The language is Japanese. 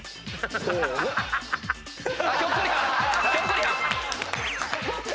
ひょっこりはん。